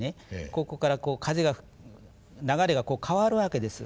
ここから風が流れが変わるわけです。